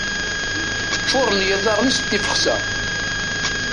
Ččuren yiḍarren-is d tifexsa.